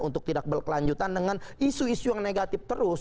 untuk tidak berkelanjutan dengan isu isu yang negatif terus